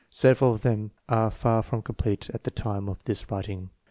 Several of them are far from complete at the time of this writ ing.